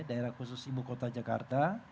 daerah khusus ibu kota jakarta